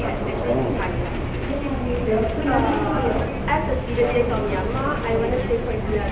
พวกเขาก็จะพูดประมาณนี้ด้านหลังก็คงไม่กล้าที่จะใช้คำว่าต้องรับ๑๐๐